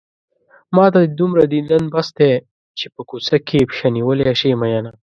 ماته دې دومره ديدن بس دی چې په کوڅه کې پښه نيولی شې مينه